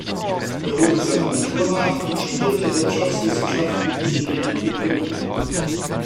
Er holte sein Abitur nach und studierte Wirtschaftswissenschaften, Chemie und Politik.